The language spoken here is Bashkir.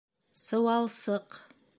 Сыуалсыҡ.